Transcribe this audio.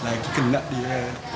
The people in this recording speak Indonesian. lagi kena dia